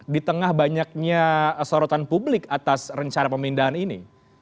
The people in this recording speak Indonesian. di tengah banyaknya sorotan publik atas rencana pemindahan ini